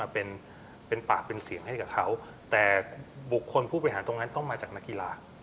เป็นปากเป็นเสียงให้กับเขาแต่บุคคลผู้บริหารตรงนั้นต้องมาจากนักกีฬา